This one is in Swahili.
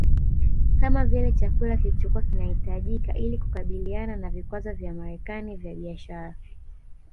kama vile chakula kilichokua kinahitajika ili kukabiliana na vikwazo vya Marekani vya biashara